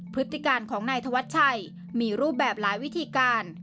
พฤติการของนายธวัชชัยมีรูปแบบหลายวิธีการ